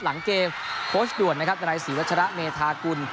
หลังเกมโค้ชด่วนนะครับในศรีวัชระเมธากุล